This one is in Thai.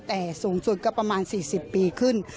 แต่สูงสุดก็ประมาณ๔๐ปีขึ้น